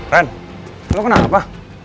ren lo kenal apa